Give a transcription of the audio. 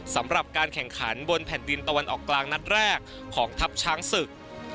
สำหรับการแข่งขันบนแผ่นดินตะวันออกกลางนัดแรกของทัพช้างศึก